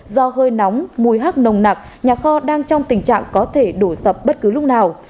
do hơi nóng mùi hắc nồng nặc nhà kho đang trong tình trạng có thể đổ sập bất cứ lúc nào